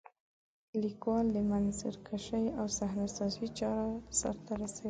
لیکوال د منظرکشۍ او صحنه سازۍ چاره سرته رسوي.